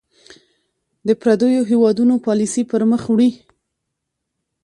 د پرديـو هېـوادونـو پالسـي پـر مــخ وړي .